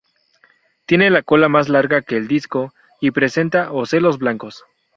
Tiene la cola más larga que el disco y presenta ocelos blancos.